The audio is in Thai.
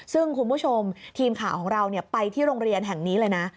ซึ่งคุณผู้ชมทีมข่าวของเราไปที่โรงเรียนแห่งนี้เลยนะ